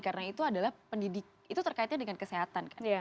karena itu adalah pendidik itu terkaitnya dengan kesehatan kan